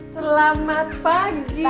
selamat pagi bu bos